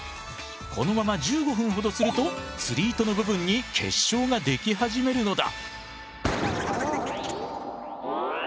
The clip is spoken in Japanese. このまま１５分ほどすると釣り糸の部分に結晶が出来始めるのだ。